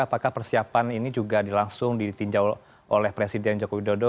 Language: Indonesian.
apakah persiapan ini juga dilangsung ditinjau oleh presiden joko widodo